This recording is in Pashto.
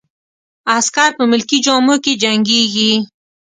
عسکر په ملکي جامو کې جنګیږي.